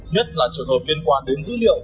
nhất là trường hợp liên quan đến dữ liệu